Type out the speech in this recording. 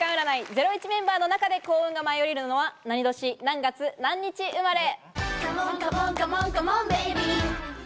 『ゼロイチ』メンバーの中で幸運が舞い降りるのは、何年何月何日生まれ。